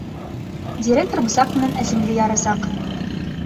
Директор бысаҡ менән әсеңде ярасаҡ.